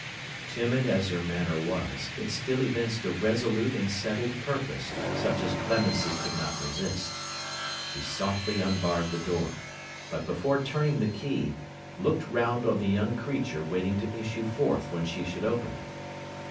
Timid as her manner was, it still evinced a resolute and settled purpose, such as Clemency could not resist. She softly unbarred the door: but before turning the key, looked round on the young creature waiting to issue forth when she should open it.